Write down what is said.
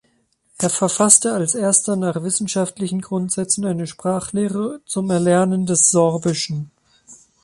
Er verfasste als erster nach wissenschaftlichen Grundsätzen eine Sprachlehre zum Erlernen des Sorbischen.